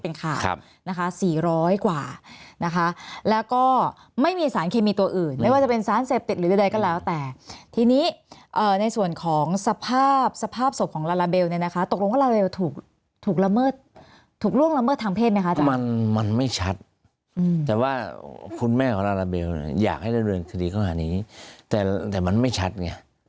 พอรับสำนวนปั๊บเราก็จะแจ้งผู้เสียหาย